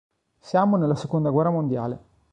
Siamo nella seconda guerra mondiale.